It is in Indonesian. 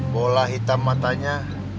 bola hitam matanya